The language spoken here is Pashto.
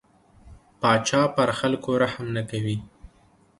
پاچا پر خلکو رحم نه کوي.